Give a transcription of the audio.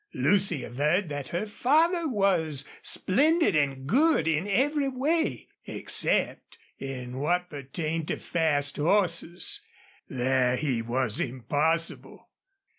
Lucy averred that her father was splendid and good in every way except in what pertained to fast horses; there he was impossible.